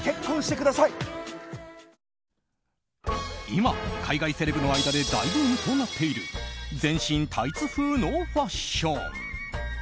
今、海外セレブの間で大ブームとなっている全身タイツ風のファッション。